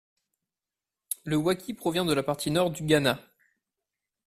Le waakye provient de la partie nord du Ghana.